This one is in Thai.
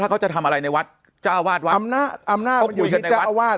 ถ้าเขาจะทำอะไรในวัดจ้าวาสวัดอำหน้าอำหน้ามันอยู่ในจ้าวาส